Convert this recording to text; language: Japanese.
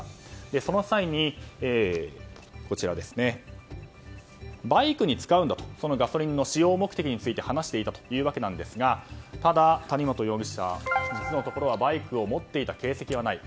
その際に、バイクに使うんだとガソリンの使用目的について話していたというわけなんですがただ、谷本容疑者実のところはバイクを持っていた形跡はないと。